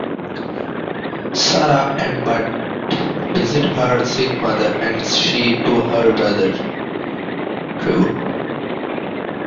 Sarah and Bud visit her sick mother, and she to her brother, Trevor.